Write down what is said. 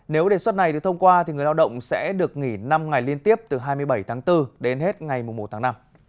nếu đề xuất này được thông qua người lao động sẽ được nghỉ năm ngày liên tiếp từ hai mươi bảy tháng bốn đến hết ngày mùa một tháng năm